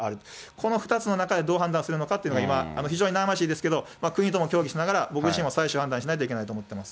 この２つの中でどう判断するのかというのは今、非常に悩ましいですけど、国とも協議しながら、僕自身が最終判断しなきゃいけないと思っています。